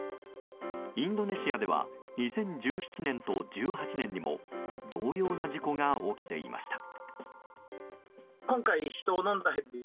インドネシアでは２０１７年と１８年にも同様の事故が起きていました。